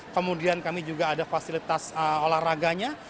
kemudian kami juga ada fasilitas olahraganya